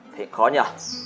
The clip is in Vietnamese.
thế khó nhỉ